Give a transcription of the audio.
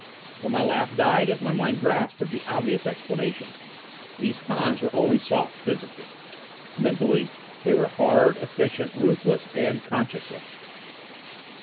But my laugh died as my mind grasped at the obvious explanation. These Hans were only soft physically. Mentally they were hard, efficient, ruthless, and conscienceless.